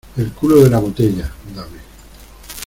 el culo de la botella. dame .